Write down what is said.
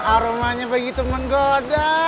aromanya begitu menggoda